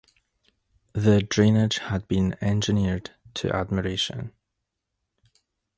The drainage had been engineered to admiration.